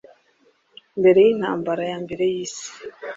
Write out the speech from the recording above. mbere y’intambara ya mbere y’isi